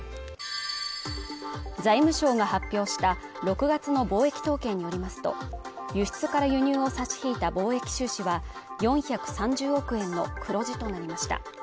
財務省が発表した６月の貿易統計によりますと、輸出から輸入を差し引いた貿易収支は４３０億円の黒字となりました。